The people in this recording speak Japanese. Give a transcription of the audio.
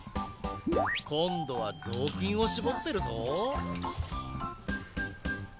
こんどはぞうきんをしぼってるぞ。